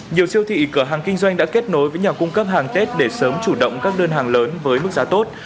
nhiều siêu thị cửa hàng kinh doanh đã kết nối với nhà cung cấp hàng tết để sớm chủ động các đơn hàng lớn với mức giá tốt